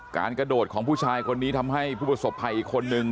การกระโดดของผู้ชายคนนี้ทำให้ผู้ประสบภัยอีกคนนึง